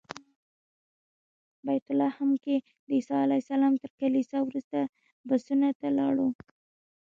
بیت لحم کې د عیسی علیه السلام تر کلیسا وروسته بسونو ته لاړو.